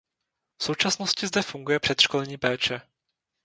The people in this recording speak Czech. V současnosti zde funguje předškolní péče.